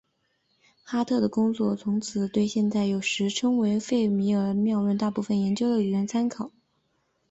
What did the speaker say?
哈特的工作从此成为了对现在有时称为费米哈特佯谬的大部分研究的理论参考。